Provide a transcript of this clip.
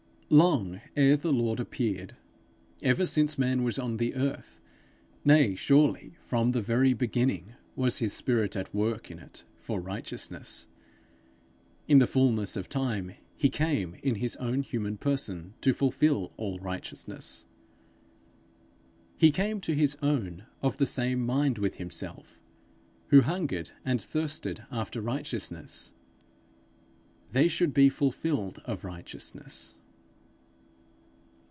Long ere the Lord appeared, ever since man was on the earth, nay, surely, from the very beginning, was his spirit at work in it for righteousness; in the fullness of time he came in his own human person, to fulfil all righteousness. He came to his own of the same mind with himself, who hungered and thirsted after righteousness. They should be fulfilled of righteousness!